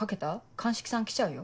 鑑識さん来ちゃうよ。